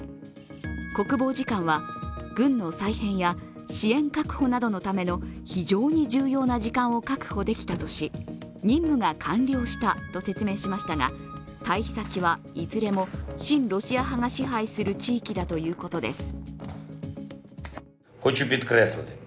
国防次官は軍の再編や支援確保などのための非常に重要な時間を確保できたとし、任務が完了したと説明しましたが、退避先はいずれも親ロシア派が支配する地域だということです。